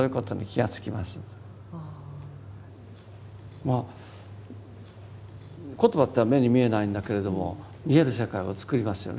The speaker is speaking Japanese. まあ言葉というのは目に見えないんだけれども見える世界を作りますよね。